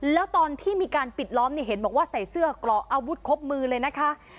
แล้วตอนที่มีการปิดล้อมเนี่ยเห็นบอกว่าใส่เสื้อกรอกอาวุธครบมือเลยนะคะ